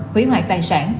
hủy hoại tài sản